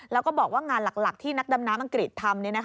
แล้วก็บอกว่างานหลักที่นักดำน้ำอังกฤษทำ